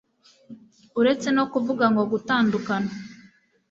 uretse no kuvuga ngo gutandukana